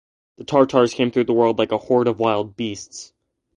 The Tartars came through the world like a horde of wild beasts.